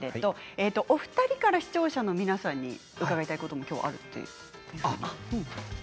お二人から視聴者の皆さんに聞きたいことがあるそうで。